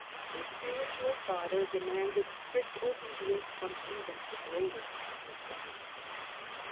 The spiritual father demanded strict obedience from even the greatest of his sons.